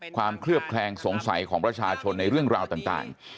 เคลือบแคลงสงสัยของประชาชนในเรื่องราวต่าง